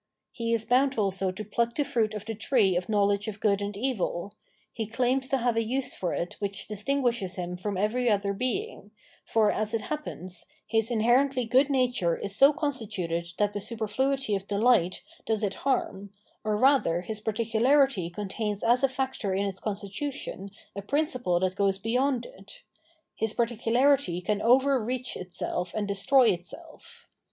He is bound also to pluck the fruit of the tree of knowledge of good and evil ; he claims to have a use for it which distinguishes him from every other being, for, as it happens, his inherently good nature is so constituted that the superfluity of delight does it ha T m , or rather his particularity contains as a factor in its constitution a principle that goes beyond it ; his particularity can overreach itself and destroy itself.